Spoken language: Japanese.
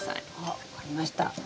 あ分かりました。